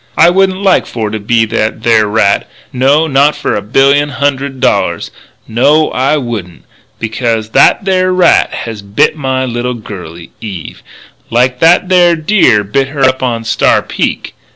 I wouldn't like for to be that there rat no, not for a billion hundred dollars. No, I wouldn't. Becuz that there rat has bit my little girlie, Eve, like that there deer bit her up onto Star Peak....